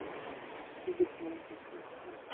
এটা কি আমার কোনো সাইবোর্গ?